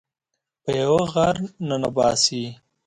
په یوه غار ننه باسي